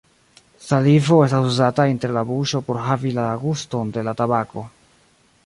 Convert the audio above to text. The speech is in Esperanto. Salivo estas uzata inter la buŝo por havi la guston de la tabako.